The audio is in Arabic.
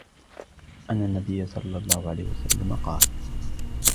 أنَّ النَّبيَّ صَلَّى اللهُ عَلَيْهِ وَسَلَّمَ قالَ: